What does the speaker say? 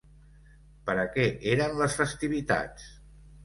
Per a què eren les festivitats?